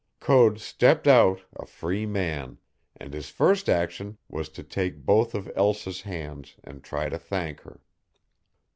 Code stepped out a free man, and his first action was to take both of Elsa's hands and try to thank her.